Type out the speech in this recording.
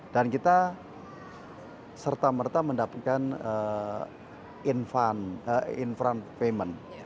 dan kita serta merta mendapatkan in front payment